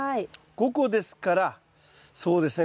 ５個ですからそうですね。